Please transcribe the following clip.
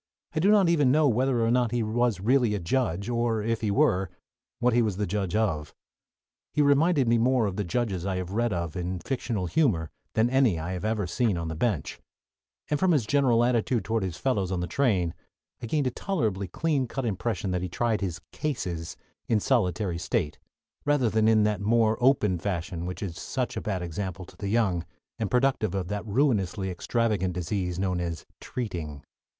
I do not even know whether or not he was really a judge, or, if he were, what he was a judge of. He reminded me more of the judges I have read of in fictional humor than any I have ever seen on the bench, and from his general attitude toward his fellows on the train I gained a tolerably clean cut impression that he tried his "cases" in solitary state, rather than in that more open fashion which is such a bad example to the young, and productive of that ruinously extravagant disease known as "treating."